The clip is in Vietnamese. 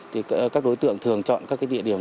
thì các đối tượng thường chọn các địa điểm